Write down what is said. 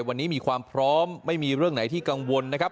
วันนี้มีความพร้อมไม่มีเรื่องไหนที่กังวลนะครับ